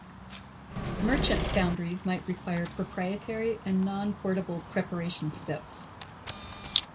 Merchant foundries might require proprietary and non-portable preparation steps.